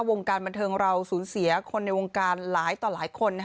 วงการบันเทิงเราสูญเสียคนในวงการหลายต่อหลายคน